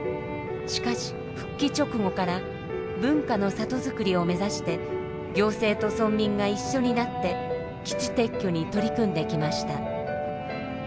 しかし復帰直後から文化の里づくりを目指して行政と村民が一緒になって基地撤去に取り組んできました。